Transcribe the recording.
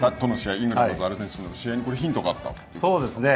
イングランドとアルゼンチンの試合にヒントがあったということですか。